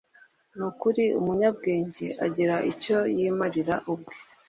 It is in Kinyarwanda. ni ukuri umunyabwenge agira icyo yimarira ubwe